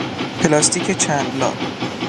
پلاستیک چند لا